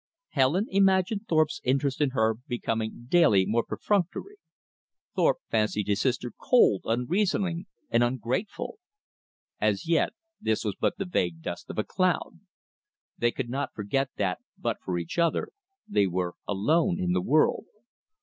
Helen imagined Thorpe's interest in her becoming daily more perfunctory. Thorpe fancied his sister cold, unreasoning, and ungrateful. As yet this was but the vague dust of a cloud. They could not forget that, but for each other, they were alone in the world.